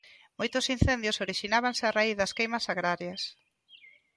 Moitos incendios orixinábanse a raíz das queimas agrarias.